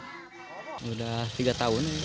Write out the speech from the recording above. sudah tiga tahun ini